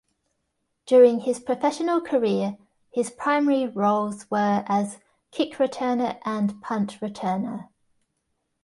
During his professional career his primary roles were as kick returner and punt returner.